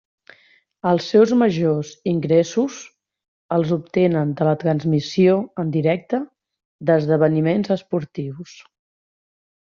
Els seus majors ingressos els obtenen de la transmissió en directe d'esdeveniments esportius.